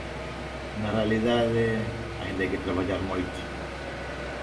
Na realidade aínda hai que traballar moito.